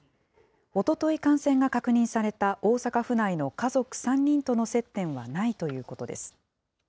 おととい感染が確認された大阪府内の家族３人との接点はないということです。